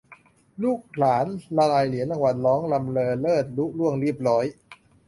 ลูกหลานละลายเหรียญรางวัลร้องรำเลอเลิศลุล่วงเรียบร้อย